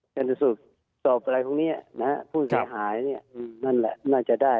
การวิสูจน์สอบอะไรพวกเนี่ยผู้เสียหายเนี่ยนั่นแหละน่าจะได้